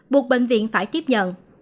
buộc bệnh viện phải tiếp nhận